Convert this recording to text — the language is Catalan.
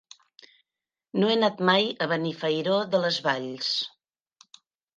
No he anat mai a Benifairó de les Valls.